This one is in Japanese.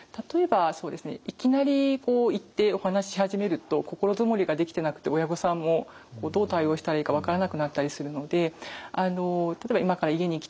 いきなり行ってお話し始めると心づもりができてなくて親御さんもどう対応したらいいか分からなくなったりするので例えば「今から家に行きたいんだけどもいい？